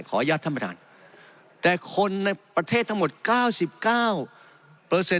ก็ได้ขออนุญาตท่านประธานแต่คนในประเทศทั้งหมด๙๙เปอร์เซ็นต์